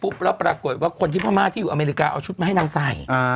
แล้วปรากฏว่าคนที่พม่าที่อยู่อเมริกาเอาชุดมาให้นางใส่